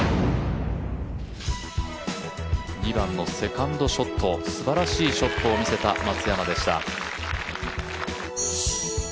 ２番のセカンドショット、すばらしいショットを見せた松山でした。